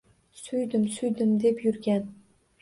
Suydim, suydim deb yurgan